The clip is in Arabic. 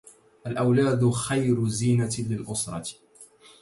الأولاد خير زينة للأسرة.